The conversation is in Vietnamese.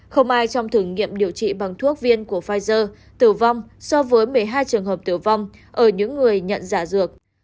không ai trong thử nghiệm điều trị bằng thuốc viên của pfizer tử vong so với một mươi hai trường hợp tử vong ở những người nhận giả dược